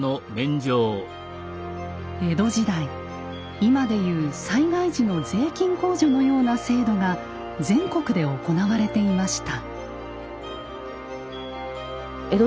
江戸時代今で言う災害時の税金控除のような制度が全国で行われていました。